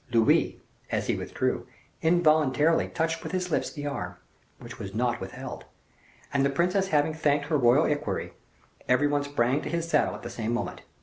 Louis, as he withdrew, involuntarily touched with his lips the arm, which was not withheld, and the princess having thanked her royal equerry, every one sprang to his saddle at the same moment.